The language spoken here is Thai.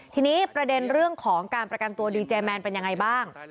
ทีนี้ประเด็นเรื่องของการประกันตัวดีเจแมนเป็นยังไงบ้าง